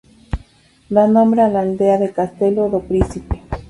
Da nombre a la aldea de Castelo do Príncipe.